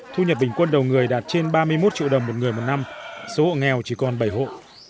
thu nhập bình quân đầu người đạt trên ba mươi một triệu đồng một người một năm số hộ nghèo chỉ còn bảy hộ